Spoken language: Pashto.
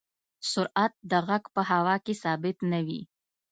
سرعت د غږ په هوا کې ثابت نه وي.